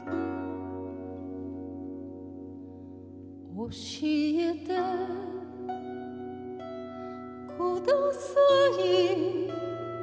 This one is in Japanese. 「おしえてください」